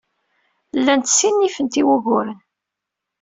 Llant ssinifent i wuguren.